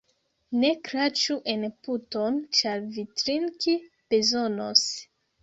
Ne kraĉu en puton, ĉar vi trinki bezonos.